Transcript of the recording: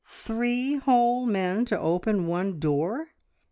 Three whole men to open one door!